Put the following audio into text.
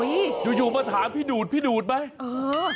โอ้ยยังมาถามพี่ดูดมั้ย